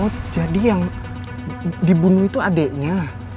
oh jadi yang dibunuh itu adiknya